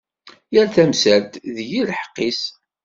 Yal tamsalt, deg-i lḥeqq-is.